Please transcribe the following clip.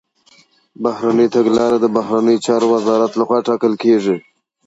بهرنۍ تګلاره د بهرنيو چارو وزارت لخوا ټاکل کېږي.